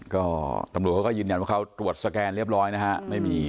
ก็ตำรวจเขาก็ยืนยันว่าเขาตรวจสแกนเรียบร้อยนะฮะไม่มี